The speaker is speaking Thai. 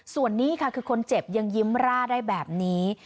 ส่วนนี้ค่ะคือคนเจ็บยังยิ้มร่าได้แบบนี้